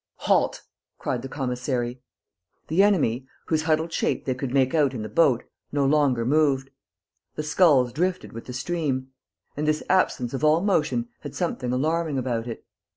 "Halt!" cried the commissary. The enemy, whose huddled shape they could make out in the boat, no longer moved. The sculls drifted with the stream. And this absence of all motion had something alarming about it.